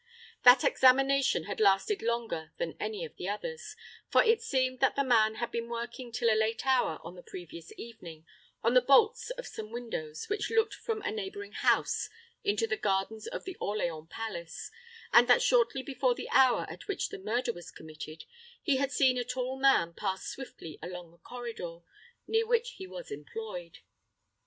That examination had lasted longer than any of the others; for it seemed that the man had been working till a late hour on the previous evening on the bolts of some windows which looked from a neighboring house into the gardens of the Orleans palace, and that shortly before the hour at which the murder was committed he had seen a tall man pass swiftly along the corridor, near which he was employed.